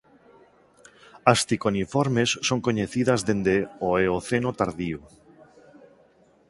As Ciconiformes son coñecidas dende o Eoceno tardío.